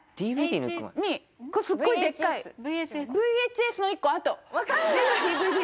すっごいでっかいＶＨＳ？